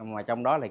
mà trong đó là kia